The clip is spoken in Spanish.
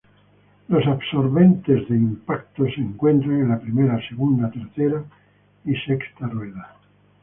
Los absorbentes de impactos se encuentran en la primera, segunda, tercera y sexta rueda.